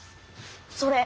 それ。